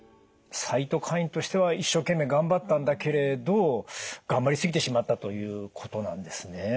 サイトカインとしては一生懸命頑張ったんだけれど頑張り過ぎてしまったということなんですね。